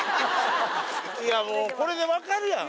いやもうこれで分かるやん。